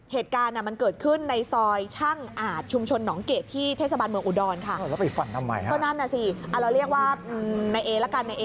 เหตุการณ์มันเกิดขึ้นในซอยช่างอาจชุมชนหนองเกดที่เทศบาลเมืองอุดรค่ะ